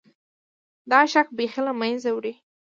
دا شک بیخي له منځه وړي.